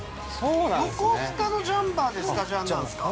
◆横須賀のジャンパーでスカジャンなんすか。